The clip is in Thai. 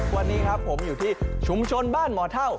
วันนี้ครับผมอยู่ที่ชุมชนบ้านหมอเท่า